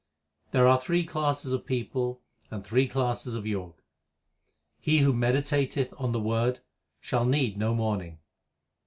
352 THE SIKH RELIGION There are three classes of people and three classes of Jog. 1 He who meditateth on the Word shall need no mourning.